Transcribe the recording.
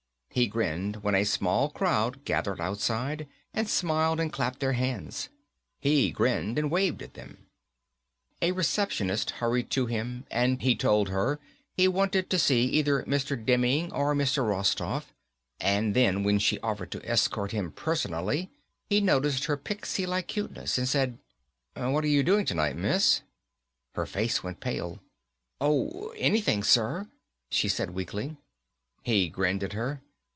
He grinned when a small crowd gathered outside and smiled and clapped their hands. He grinned and waved to them. A receptionist hurried to him and he told her he wanted to see either Mr. Demming or Mr. Rostoff, and then when she offered to escort him personally he noticed her pixie like cuteness and said, "What're you doing tonight, Miss?" Her face went pale. "Oh, anything, sir," she said weakly. He grinned at her.